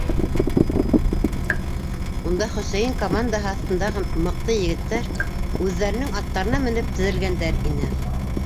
Унда Хөсәйен командаһы аҫтындағы мыҡты егеттәр үҙҙәренең аттарына менеп теҙелгәндәр ине.